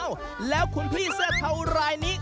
อ้าวแล้วคุณพี่เสื้อเท่าไหร่นี้